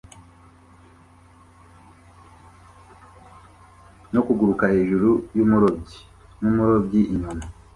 no kuguruka hejuru yumurobyi numurobyi inyuma